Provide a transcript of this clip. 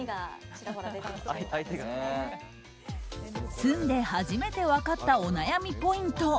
住んで初めて分かったお悩みポイント。